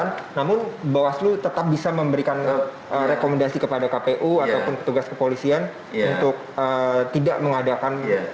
namun bawaslu tetap bisa memberikan rekomendasi kepada kpu ataupun petugas kepolisian untuk tidak mengadakan